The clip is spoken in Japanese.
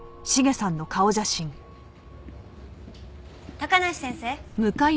高梨先生。